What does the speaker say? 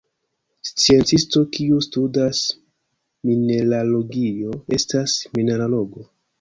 Sciencisto kiu studas mineralogio estas mineralogo.